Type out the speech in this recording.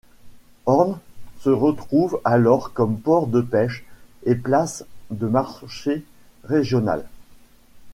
Hoorn se retrouve alors comme port de pêche et place de marché régionale.